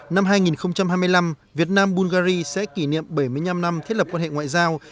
năm hai nghìn hai mươi năm việt nam bulgari sẽ kỷ niệm bảy mươi năm năm thiết lập quan hệ ngoại giao